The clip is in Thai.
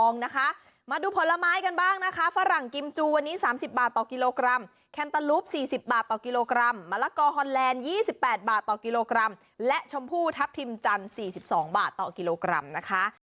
ลูปสี่สิบบาทต่อกิโลกรัมมะละกอร์ฮอนแลนด์ยี่สิบแปดบาทต่อกิโลกรัมและชมพู้ทับทิมจันสี่สิบสองบาทต่อกิโลกรัมนะคะ